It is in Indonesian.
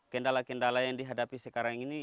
kendala kendala yang dihadapi sekarang ini